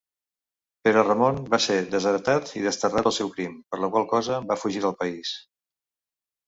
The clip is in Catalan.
Pere-Ramon va ser desheretat i desterrat pel seu crim, per la qual cosa va fugir del país.